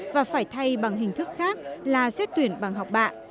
và phải thay bằng hình thức khác là xét tuyển bằng học bạ